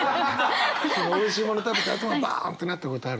そのおいしいものを食べたあとバンってなったことある？